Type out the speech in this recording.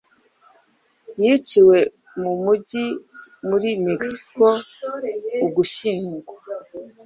yiciwe mu mujyi muri Mexico, Uguhyingo